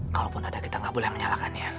kalaupun ada kita nggak boleh menyalakannya